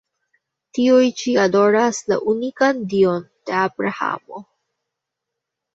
Tiuj ĉi adoras la unikan Dion de Abrahamo.